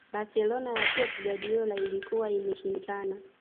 barcelona ya pep guardiola ilikuwa imeshindikana